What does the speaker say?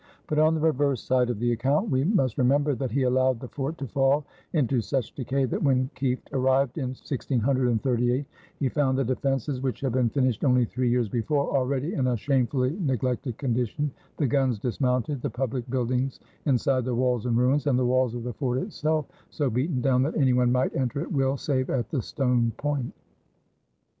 But on the reverse side of the account we must remember that he allowed the fort to fall into such decay that when Kieft arrived in 1638 he found the defenses, which had been finished only three years before, already in a shamefully neglected condition, the guns dismounted, the public buildings inside the walls in ruins, and the walls of the fort itself so beaten down that any one might enter at will, "save at the stone point."